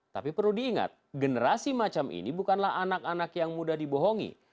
tapi perlu diingat generasi macam ini bukanlah anak anak yang mudah dibohongi